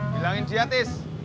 bilangin dia tis